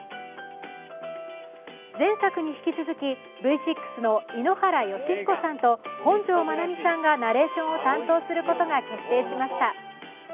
前作に引き続きＶ６の井ノ原快彦さんと本上まなみさんがナレーションを担当することが決定しました。